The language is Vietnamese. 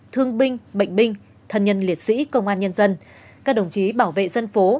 thương binh bệnh binh thân nhân liệt sĩ công an nhân dân các đồng chí bảo vệ dân phố